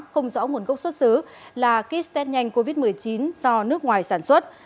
không rõ nguồn gốc xuất xứ là kit test nhanh covid một mươi chín do nước ngoài sản xuất